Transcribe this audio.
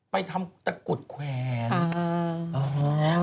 ไปทำตะกรุดแขวน